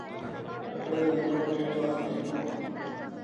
إذا حرم المرء الحياء فإنه